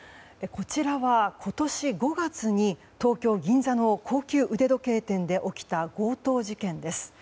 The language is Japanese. こちらは今年５月に東京・銀座の高級腕時計店で起きた強盗事件です。